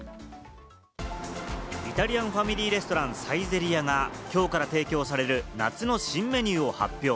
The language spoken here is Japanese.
イタリアンファミリーレストラン、サイゼリヤがきょうから提供される夏の新メニューを発表。